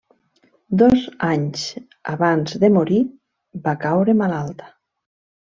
Dos anys abans de morir va caure malalta.